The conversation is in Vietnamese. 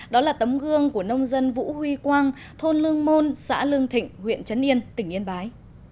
đó là tấm gương của nông dân vũ huy quang thôn lương môn xã lương thịnh huyện trấn yên tỉnh yên bái